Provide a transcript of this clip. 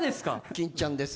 キンちゃんです